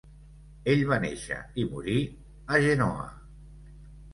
Ell va néixer i morir a Genoa.